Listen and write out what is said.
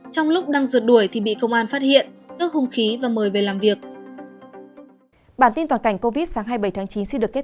trong lúc đang rượt đuổi thì bị công an phát hiện ước hung khí và mời về làm việc